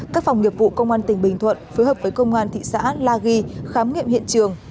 các phòng nghiệp vụ công an tỉnh bình thuận phối hợp với công an thị xã la ghi khám nghiệm hiện trường